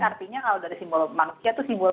artinya kalau dari simbol manusia itu simbol